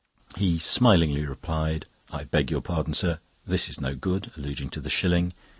He smilingly replied: "I beg your pardon, sir, this is no good," alluding to the shilling.